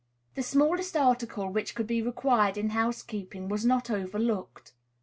The smallest article which could be required in housekeeping was not overlooked.